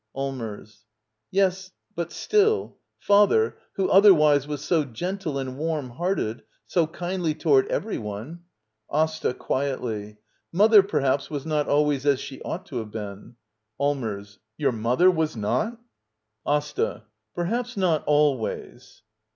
Allmers. Yes, but still — Father, who other wise was so gentle and warm hearted — so kindly toward every one — AsTA. [Quietly.] Mother, perhaps, was not always as she ought to have been. Allmers. Your mother was not! AsTA. Perhaps not always.